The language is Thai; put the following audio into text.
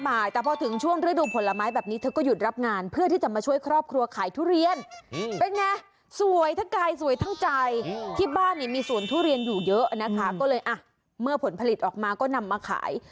เมื่อผลผลิตออกมาก็นำให้กันมาขาย